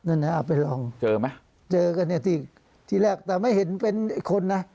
เอาไปลองเจอไหมเจอกันที่แรกแต่ไม่เห็นเป็นคนนะ